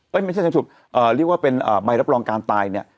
ไม่ใช่ชันนูศุสฝ์เรียกว่าการรับประรองการตายเนี่ย